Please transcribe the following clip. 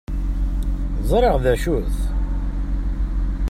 Ẓṛiɣ d acu-t.